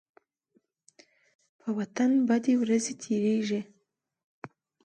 د په وطن بدې ورځې تيريږي.